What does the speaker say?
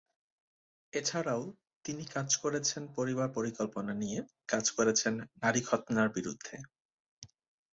এছাড়াও, তিনি কাজ করেছেন পরিবার পরিকল্পনা নিয়ে, কাজ করেছেন নারী খৎনার বিরুদ্ধে।